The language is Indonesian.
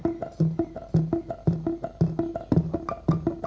sudah menjadi tanda tanda yang menarik